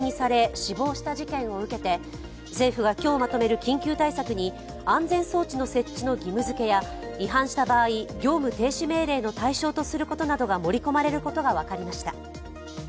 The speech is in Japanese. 静岡県で園児が通園バスに置き去りにされ死亡した事件を受けて、政府が今日まとめる緊急対策に安全装置の設置の義務づけや違反した場合、業務停止命令の対象とすることなどが盛り込まれることが分かりました。